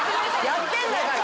やってんだから。